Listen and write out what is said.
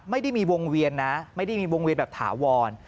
ไม่ได้มีวงเวียนนะไม่ได้มีวงเวียนแบบถาวร